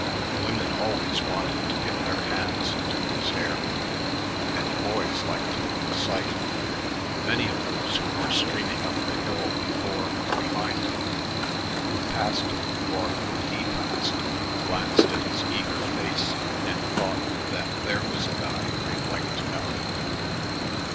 Women always wanted to get their hands into his hair, and boys liked him on sight. Many of those who were streaming up the hill before and behind him, who passed him or whom he passed, glanced at his eager face and thought that there was a guy they'd like to know.